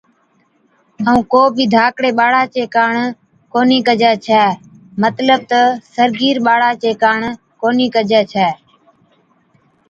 ائُون ڪو بِي ڌاڪڙي ٻاڙا چي ڪاڻ ڪونھِي ڪجَي ڇَي مطلب تہ سرگِير ٻاڙا چي ڪاڻ ڪونهِي ڪجَي ڇَي